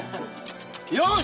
よし！